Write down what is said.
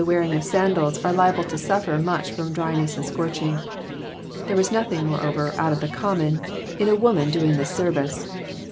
XII. 313 wearing sandals are liable to suffer much from dryness and scorching. There was nothing, moreover, out of the common way in a woman doing this service.